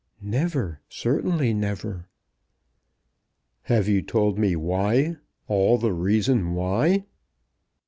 "Never! Certainly never!" "Have you told me why; all the reason why?"